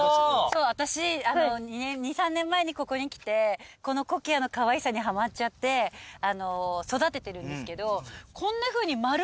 私２３年前にここに来てコキアのかわいさにはまっちゃって育ててるんですけど。